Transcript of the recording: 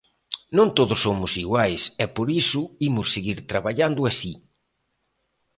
Non todos somos iguais e por iso imos seguir traballando así.